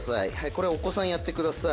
これお子さんやってください」